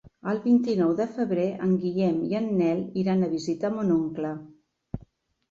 El vint-i-nou de febrer en Guillem i en Nel iran a visitar mon oncle.